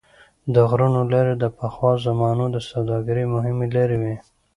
د غرونو لارې د پخوا زمانو د سوداګرۍ مهمې لارې وې.